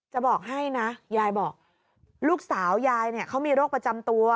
จะบอกให้นะยายบอกลูกสาวยายเนี่ยเขามีโรคประจำตัว